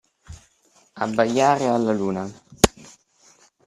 Abbaiare alla luna.